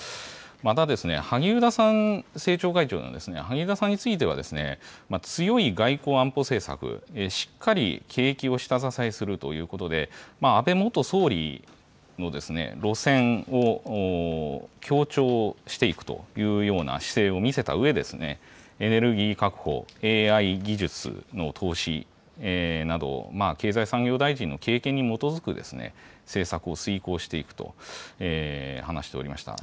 また、萩生田さん、政調会長ですが、萩生田さんについては、強い外交・安保政策、しっかり景気を下支えするということで、安倍元総理の路線を強調していくというような姿勢を見せたうえ、エネルギー確保、ＡＩ技術の投資などを、経済産業大臣の経験に基づく政策を遂行していくと話しておりました。